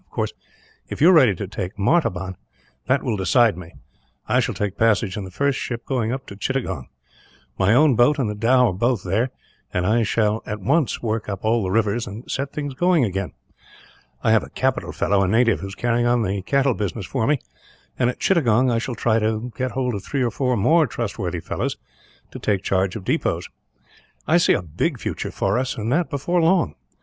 Of course, if you are ready to take Martaban, that will decide me; and I shall take passage in the first ship going up to Chittagong. My own boat and the dhow are both there, and I shall at once work up all the rivers, and set things going again. "I have a capital fellow, a native, who is carrying on the cattle business for me and, at Chittagong, I shall try and get hold of three or four more trustworthy fellows, to take charge of depots. I see a big future before us, and that before long.